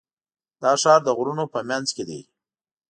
دا ښار د غرونو په منځ کې دی.